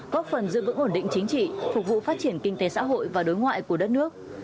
góp phần giữ vững ổn định chính trị phục vụ phát triển kinh tế xã hội và đối ngoại của đất nước